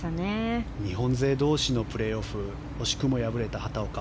日本勢同士のプレーオフ惜しくも敗れた畑岡。